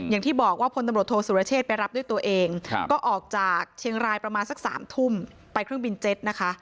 อย่างที่บอกว่าพลตำรวจโทษสุรเชษไปรับด้วยตัวเองก็ออกจากเชียงรายประมาณสัก๓ทุ่มไปเครื่องบินเจ็ตนะคะ